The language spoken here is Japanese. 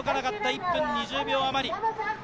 １分２０秒あまり。